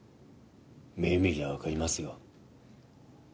目見りゃわかりますよ。